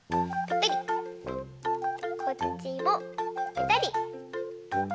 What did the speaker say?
こっちもぺたり。